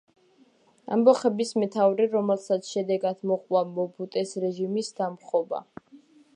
ამბოხების მეთაური, რომელსაც შედეგად მოჰყვა მობუტუს რეჟიმის დამხობა.